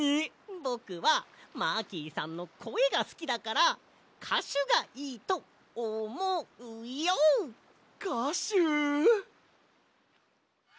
ぼくはマーキーさんのこえがすきだからかしゅがいいとおもうＹＯ！かしゅ！